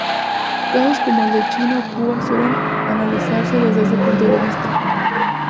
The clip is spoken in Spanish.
Casos como el de China o Cuba suelen analizarse desde ese punto de vista.